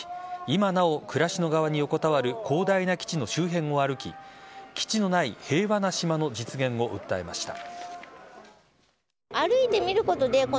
今なお暮らしの側に横たわる広大な基地の周辺を歩き基地のない平和な島の実現を訴えました。